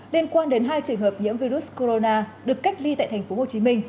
liên quan đến hai trường hợp nhiễm virus corona được cách ly tại tp hcm